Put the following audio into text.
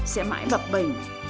sẽ mãi bập bình